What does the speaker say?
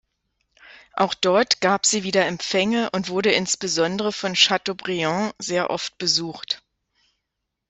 Auch dort gab sie wieder Empfänge und wurde insbesondere von Chateaubriand sehr oft besucht.